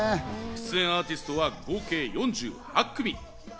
出演アーティストは合計４８組。